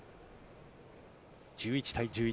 １１対１１。